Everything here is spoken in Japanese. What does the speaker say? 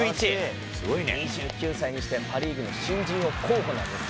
２９歳にしてパ・リーグの新人王候補なんです。